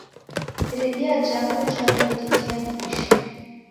Iridia japo jaw'edidia kisha